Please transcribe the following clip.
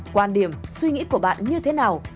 quan điểm suy nghĩ của bạn như thế nào